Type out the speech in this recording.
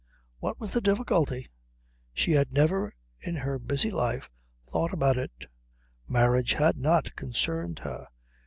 What was the difficulty? She had never in her busy life thought about it. Marriage had not concerned her.